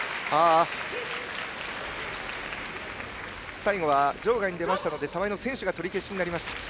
最後は場外に出ましたので澤江の先取が取り消しになりました。